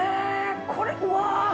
これうわ！